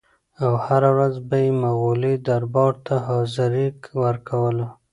او هره ورځ به یې مغولي دربار ته حاضري ورکوله.